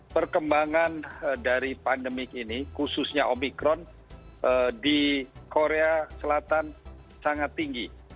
perkembangan dari pandemik ini khususnya omikron di korea selatan sangat tinggi